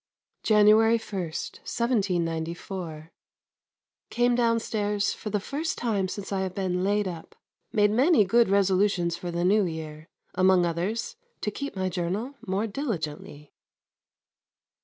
January 1, 1794. Came downstairs for the first time since I have been laid up. Made many good resolutions for the New Year. Among others to keep my journal more diligently.